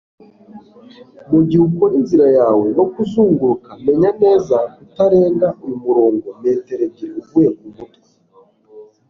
Mugihe ukora inzira yawe no kuzunguruka, menya neza kutarenga uyu murongo metero ebyiri uvuye kumutwe